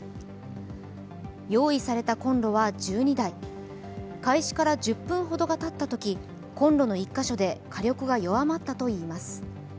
用意されたコンロは１２台、開始から１０分ほどがたったときコンロの１か所で火力が弱まったといいます。